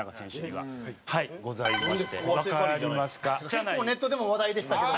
結構ネットでも話題でしたけど。